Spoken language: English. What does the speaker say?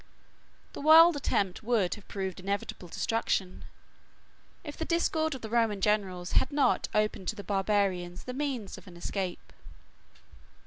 The wild attempt would have proved inevitable destruction, if the discord of the Roman generals had not opened to the barbarians the means of an escape.